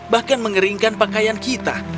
bahkan mengeringkan pakaian kita